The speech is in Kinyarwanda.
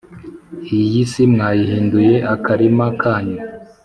iyi si mwayihinduye akarima kanyu,